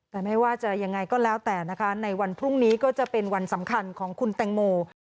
แต่ไม่ว่าจะยังไงก็แล้วแต่นะคะในวันพรุ่งนี้ก็จะเป็นวันสำคัญของคุณแตงโม